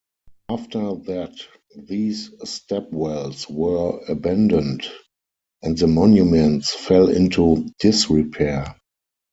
After that, these stepwells were abandoned and the monuments fell into disrepair.